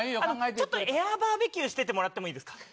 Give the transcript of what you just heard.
ちょっとエアーバーベキュー、しててもらってもいいですか？